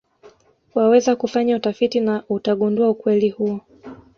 Waweza kufanya utafiti na utagundua ukweli huo